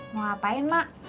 mau ngapain mak